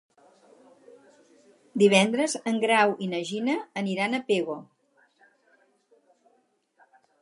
Divendres en Grau i na Gina aniran a Pego.